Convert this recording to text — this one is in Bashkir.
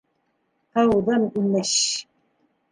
Ҡыуҙым, имеш!